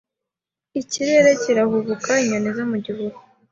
Ikirere kirahubuka Inyoni zo mu gihuru